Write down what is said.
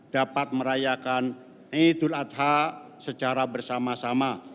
dapat merayakan idul adha secara bersama sama